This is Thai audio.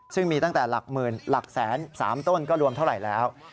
ซึ่งมีตั้งแต่หลักหมื่นหลักแสน๓ต้นก็รวมเท่าไหร่แล้ว